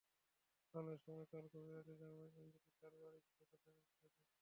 বাংলাদেশ সময় কাল গভীর রাতেই জার্মানির অ্যাঞ্জেলিক কারবারের বিপক্ষে ফাইনাল ছিল তাঁর।